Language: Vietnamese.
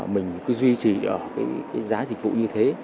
mình cứ duy trì giá dịch vụ như thế